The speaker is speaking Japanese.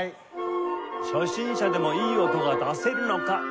初心者でもいい音が出せるのか？